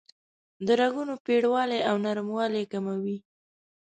د رګونو پیړوالی او نرموالی کموي.